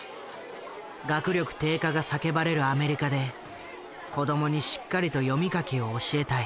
学力低下が叫ばれるアメリカで子供にしっかりと読み書きを教えたい。